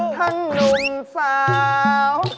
ทั้งหนุงสาว